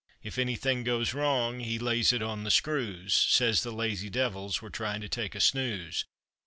If anything goes wrong, he lays it on the screws, Says the lazy devils were tryin' to take a snooze.